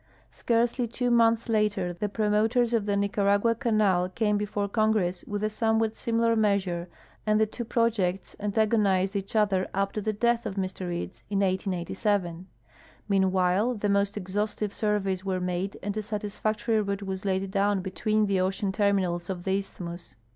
Scarcely two months later the promoters of the Nicaragua canal came before Congress with a somewhat similar measure, and the two projects antagonized each other up to the death of Mr Eads, in 1887. Meanwhile the most exhaustive survey's were made and a satis hxctorw route was laid doAvn between the ocean terminals of the isthmus.